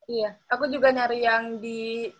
iya aku juga nyari yang di